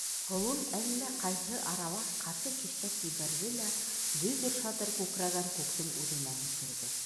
Ҡолон әллә ҡайһы арала ҡаты кешнәп ебәрҙе лә дөбөр-шатыр күкрәгән күктең үҙенә һикерҙе.